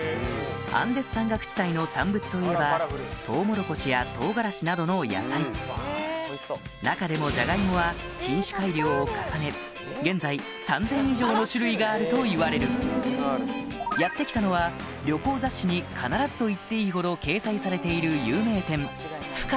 アンデス山岳地帯の産物といえばトウモロコシやトウガラシなどの野菜中でもじゃがいもは品種改良を重ね現在３０００以上の種類があるといわれるやって来たのは旅行雑誌に必ずといっていいほど掲載されている有名店